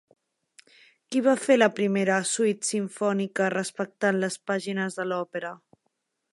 Qui va fer la primera suite simfònica respectant les pàgines de l'òpera?